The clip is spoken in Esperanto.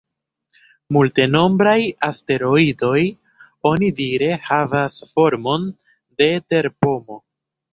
Multenombraj asteroidoj onidire havas formon de terpomo.